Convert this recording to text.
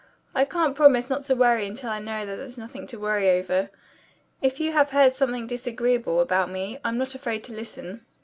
"I can't promise not to worry until I know that there's nothing to worry over. If you have heard something disagreeable about me, I'm not afraid to listen."